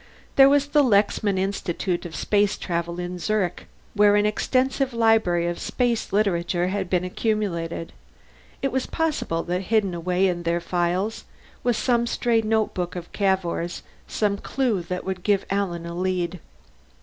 There was the Lexman Institute of Space Travel in Zurich, where an extensive library of space literature had been accumulated; it was possible that hidden away in their files was some stray notebook of Cavour's, some clue that would give Alan a lead.